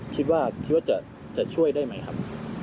คิดว่าจะช่วยได้ไหมครับ